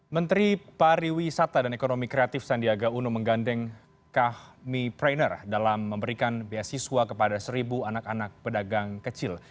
menteri pariwisata dan ekonomi kreatif sandiaga uno menggandeng kahmi prener dalam memberikan beasiswa kepada seribu anak anak pedagang kecil